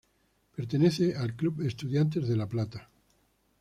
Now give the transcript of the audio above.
Pertenece al club Estudiantes de La Plata.